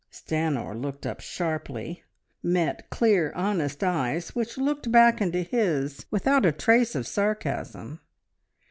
Stanor, looked up sharply, met clear, honest eyes, which looked back into his without a trace of sarcasm.